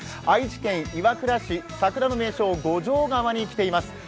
愛知県岩倉市、桜の名所、五条川に来ています。